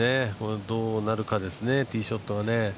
どうなるかですね、ティーショットがね。